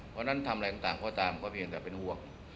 เพราะฉะนั้นทำอะไรต่างก็ตามก็เพียงแต่เป็นห่วง